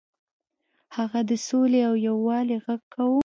هغه د سولې او یووالي غږ کاوه.